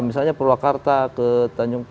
misalnya purwakarta ke tanjung